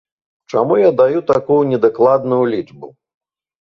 Чаму я даю такую недакладную лічбу?